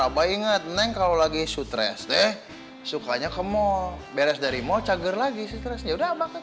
abah inget neng kalau lagi stress deh sukanya ke mall beres dari mall cager lagi stressnya yaudah abah ke mall